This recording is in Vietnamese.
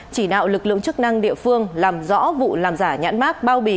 chỉ đạo lực lượng chức năng địa phương làm rõ vụ làm giả nhãn mát bao bì